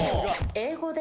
英語で？